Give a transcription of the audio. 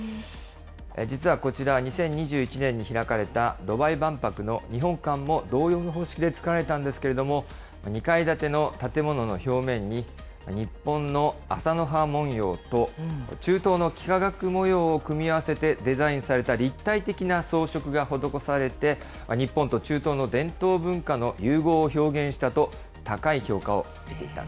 実はこちら、２０２１年に開かれたドバイ万博の日本館も同様の方式で作られたんですけれども、２階建ての建物の表面に、日本の麻の葉文様と、中東の幾何学文様を組み合わせてデザインされた立体的な装飾が施されて、日本と中東の伝統文化の融合を表現したと、高い評価を得ていたん